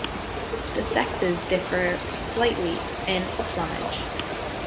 The sexes differ slightly in plumage.